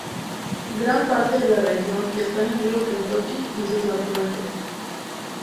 Gran parte de la región está en el río Kentucky y sus afluentes.